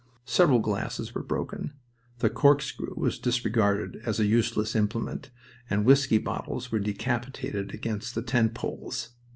Several glasses were broken. The corkscrew was disregarded as a useless implement, and whisky bottles were decapitated against the tent poles.